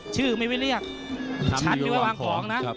ชื่อไม่วินเรียกชั้นหรือว่าวางของนะ